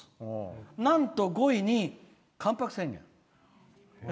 なんと５位に「関白宣言」。